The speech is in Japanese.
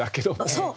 そう！